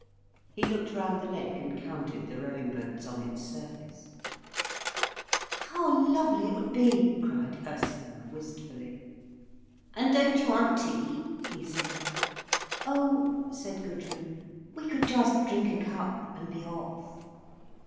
He looked round the lake and counted the rowing boats on its surface. "How lovely it would be!" cried Ursula wistfully. "And don't you want tea?" he said. "Oh," said Gudrun, "we could just drink a cup, and be off."